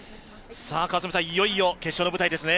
川澄さん、いよいよ決勝の舞台ですね。